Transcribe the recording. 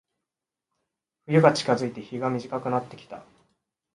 冬が近づいて、日が短くなってきた。